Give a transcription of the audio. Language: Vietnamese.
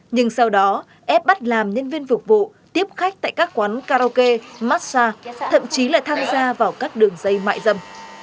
nhưng sau đó ép bắt làm nhân viên phục vụ tiếp khách tại các quán karaoke massage thậm chí là tham gia vào các đường dây mại dầm